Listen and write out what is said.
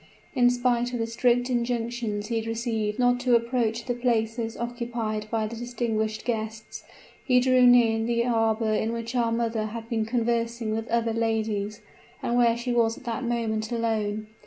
In spite of the strict injunctions he had received not to approach the places occupied by the distinguished guests, he drew near the arbor in which our mother had been conversing with other ladies, but where she was at that moment alone.